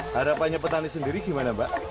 harapannya petani sendiri gimana mbak